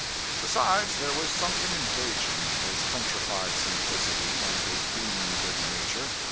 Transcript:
Besides, there was something engaging in his countrified simplicity and his beaming good nature.